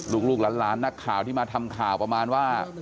ลูกหลานนักข่าวที่มาทำข่าวประมาณว่า